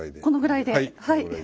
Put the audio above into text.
このぐらいではい。